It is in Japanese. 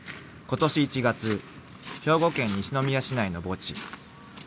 ［今年１月兵庫県西宮市内の墓地］